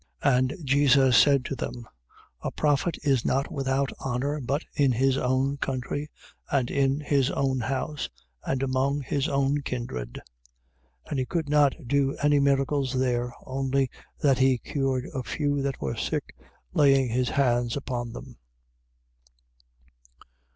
6:4. And Jesus said to them: A prophet is not without honour, but in his own country, and in his own house, and among his own kindred. 6:5. And he could not do any miracles there, only that he cured a few that were sick, laying his hands upon them.